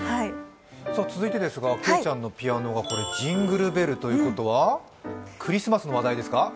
続いて、けいちゃんのピアノが「ジングルベル」ということはクリスマスの話題ですか？